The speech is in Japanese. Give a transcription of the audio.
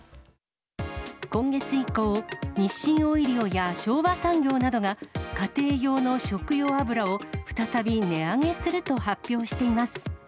今月以降、日清オイリオや昭和産業などが、家庭用の食用油を再び値上げすると発表しています。